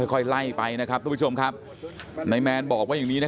ค่อยไล่ไปนะครับทุกผู้ชมครับนายแมนบอกว่าอย่างนี้นะ